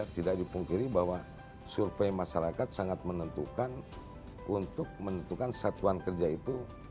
tidak dipungkiri bahwa survei masyarakat sangat menentukan untuk menentukan satuan kerja itu